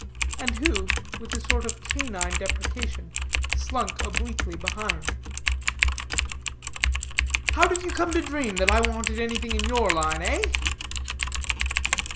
and who, with a sort of canine deprecation, slunk obliquely behind. "How did you come to dream that I wanted anything in your line, eh?"